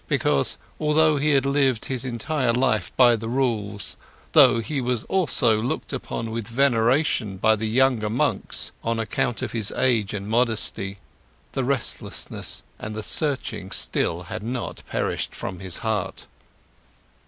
Because, though he had lived his entire life by the rules, though he was also looked upon with veneration by the younger monks on account of his age and his modesty, the restlessness and the searching still had not perished from his heart.